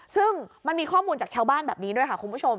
ซึ่งมันมีข้อมูลจากชาวบ้านแบบนี้ด้วยค่ะคุณผู้ชม